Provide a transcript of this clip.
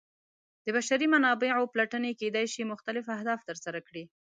د بشري منابعو پلټنې کیدای شي مختلف اهداف ترسره کړي.